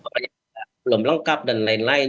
pokoknya belum lengkap dan lain lain